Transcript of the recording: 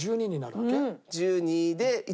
１２で１